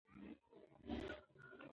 ماشوم د انا له غوسې نه ډارېده.